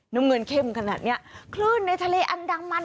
น้ำเงินเข้มขนาดเนี้ยคลื่นในทะเลอันดามัน